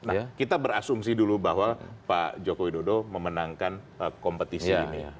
nah kita berasumsi dulu bahwa pak joko widodo memenangkan kompetisi ini